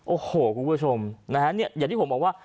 โอ้โหคุณผู้ชมอย่างที่ผมบอกว่า